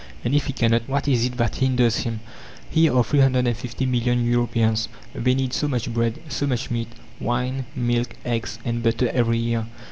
And if he cannot, what is it that hinders him?" Here are 350 million Europeans. They need so much bread, so much meat, wine, milk, eggs, and butter every year.